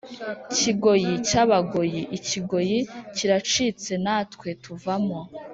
kigoyi cy abagoyi Ikigoyi kiracitse natwe tuvamo